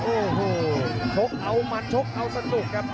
โอ้โหชกเอามันชกเอาสนุกครับ